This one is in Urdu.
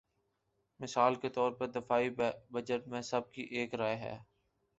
مثال کے طور پر دفاعی بجٹ میں سب کی ایک رائے ہے۔